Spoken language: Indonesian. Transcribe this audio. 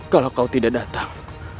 kalau kau tidak datang